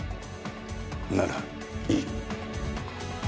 ならいい。